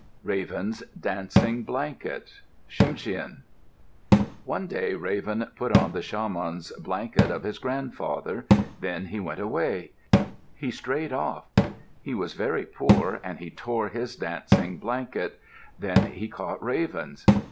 RAVEN'S DANCING BLANKET Tsimshian One day Raven put on the shaman's blanket of his grandfather. Then he went away; he strayed off. He was very poor and he tore his dancing blanket. Then he caught ravens.